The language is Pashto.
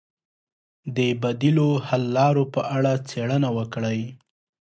د بدیلو حل لارو په اړه څېړنه وکړئ.